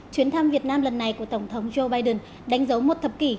chuyến thăm việt nam lần này của tổng thống joe biden đánh dấu một thập kỷ